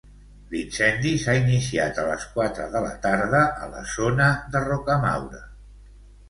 L'incendi s'ha iniciat a les quatre de la tarda a la zona de Rocamaura.